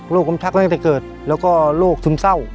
กลมชักตั้งแต่เกิดแล้วก็โรคซึมเศร้า